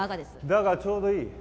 だがちょうどいい。